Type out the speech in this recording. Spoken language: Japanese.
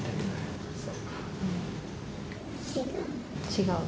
違う。